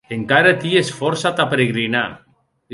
Encara ties fòrça tà peregrinar.